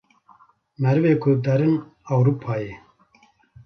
Merivê ku derin Ewrupayê.